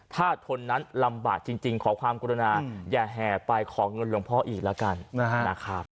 ถ้าทนนั้นลำบากจริงขอความกรุณาอย่าแห่ไปขอเงินหลวงพ่ออีกแล้วกันนะครับ